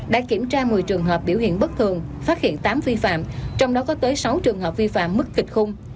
đã kiểm tra một mươi trường hợp biểu hiện bất thường phát hiện tám vi phạm trong đó có tới sáu trường hợp vi phạm mức kịch khung